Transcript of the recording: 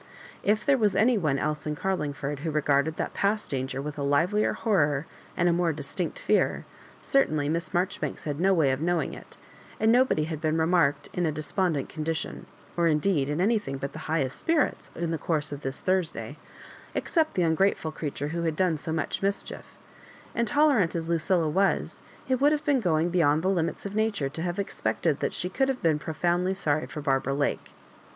If there was any one else in Carlingford who regarded that past danger with a livelier horror and a more distinct fear, certamly Miss Marjori banks had no way of knowmg of it, and nobody had been remarked in a despondent condition, or, indeed, in anything but the highest spirits, in the course of this Thursday, except the un grateful creature who had done so much mischief; and tolerant as Lucilla was, it would have been going beyond the limits of nature to have expected that she could have been profoundly sorry for Barbara Lake.